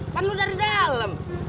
emak lu dari dalam